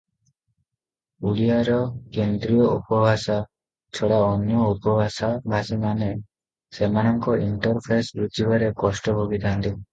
ଓଡ଼ିଆର କେନ୍ଦ୍ରୀୟ ଉପଭାଷା ଛଡ଼ା ଅନ୍ୟ ଉପଭାଷାଭାଷୀମାନେ ସେମାନଙ୍କ ଇଣ୍ଟରଫେସ ବୁଝିବାରେ କଷ୍ଟ ଭୋଗିଥାନ୍ତି ।